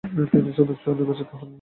তিনি সদস্য নির্বাচিত হন।